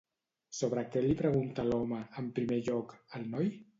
Sobre què li pregunta l'home, en primer lloc, al noi?